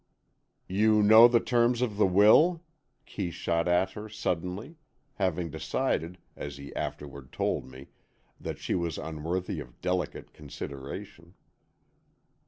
"You know the terms of the will?" Kee shot at her, suddenly, having decided, as he afterward told me, that she was unworthy of delicate consideration.